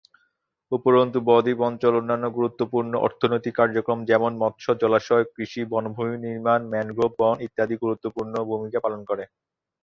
উপরন্তু বদ্বীপ অঞ্চল অন্যান্য গুরুত্বপূর্ণ অর্থনৈতিক কার্যক্রম যেমন মৎস্য, জলাশয়, কৃষি, বনভূমি নির্মাণ, ম্যানগ্রোভ বন ইত্যাদি গুরুত্বপূর্ণ ভূমিকা পালন করে।